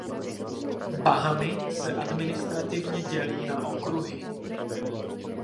Bahamy se administrativně dělí na okruhy.